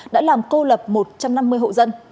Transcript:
đã làm cô lập một trăm năm mươi hộ dân